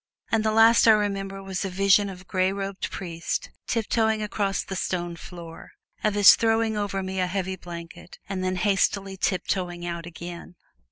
And the last I remember was a vision of a gray robed priest tiptoeing across the stone floor; of his throwing over me a heavy blanket and then hastily tiptoeing out again.